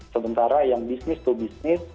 sementara yang business to business